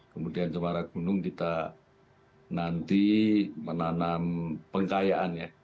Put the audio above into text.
kemudian gemara gunung kita nanti menanam pengkayaannya